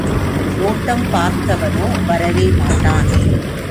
நோட்டம் பார்த்தவனோ வரவே மாட்டான்.